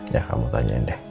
ya kamu tanyain deh